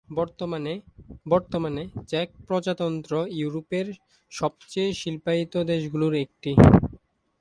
বর্তমানে চেক প্রজাতন্ত্র ইউরোপের সবচেয়ে শিল্পায়িত দেশগুলির একটি।